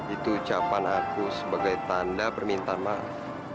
itu ucapan aku sebagai tanda permintaan maaf